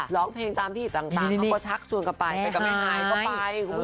ร้องเพลงตามที่ต่างเขาก็ชักส่วนกลับไปไปกับแม่หายก็ไปครับคุณผู้ชม